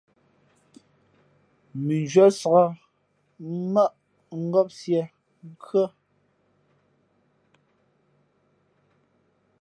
Mʉnzhwě sāk, mmάʼ ngāp siē , nkhʉ́ά.